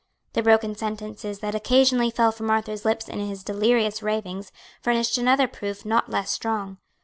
The broken sentences that occasionally fell from Arthur's lips in his delirious ravings furnished another proof not less strong.